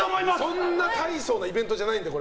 そんなたいそうなイベントじゃないので。